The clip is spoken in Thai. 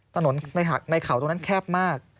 ตระหน่วงในเขาตรงนั้นแคบมาก